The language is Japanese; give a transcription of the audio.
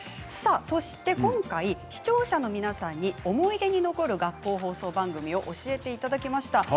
今回、視聴者の皆さんに思い出に残る学校放送番組を教えていただきました。